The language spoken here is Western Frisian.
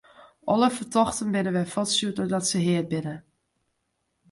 Alle fertochten binne wer fuortstjoerd neidat se heard binne.